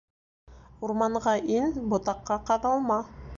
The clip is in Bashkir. Урманға ин, ботаҡҡа ҡаҙалма.